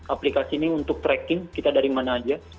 aplikasi ini untuk tracking kita dari mana aja